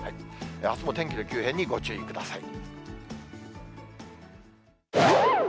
あすも天気の急変にご注意ください。